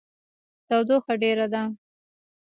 تودوخه ډیره ده